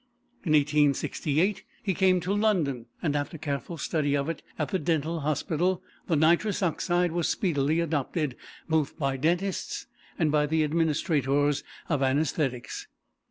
In 1868 he came to London and, after careful study of it at the Dental Hospital, the nitrous oxide was speedily adopted, both by dentists and by the administrators of anæsthetics.